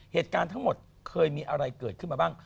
เหตุการณ์ทั้งหมดเคยมีอะไรเกิดขึ้นมาบ้าง